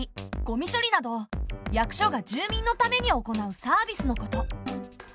ゴミ処理など役所が住民のために行うサービスのこと。